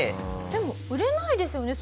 でも売れないですよね？